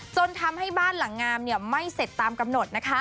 จนทำให้บ้านหลังงามไม่เสร็จตามกำหนดนะคะ